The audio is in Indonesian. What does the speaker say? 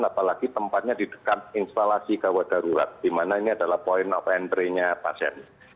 apalagi tempatnya di dekat instalasi gawat darurat di mana ini adalah point of entry nya pasien